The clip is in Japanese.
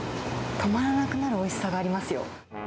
止まらなくなるおいしさがありますよ。